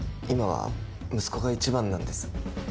今は息子が一番なんです